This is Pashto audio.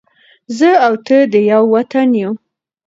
زه او ته دې ېو وطن ېو